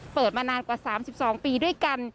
เปิดมานานกว่า๓๒ปีด้วยกัน